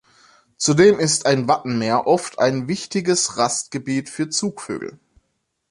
Zudem ist ein Wattenmeer oft ein wichtiges Rastgebiet für Zugvögel.